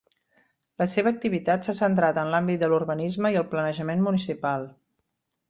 La seva activitat s’ha centrat en l’àmbit de l’urbanisme i el planejament municipal.